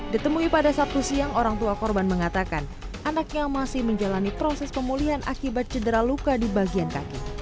ditemui pada sabtu siang orang tua korban mengatakan anaknya masih menjalani proses pemulihan akibat cedera luka di bagian kaki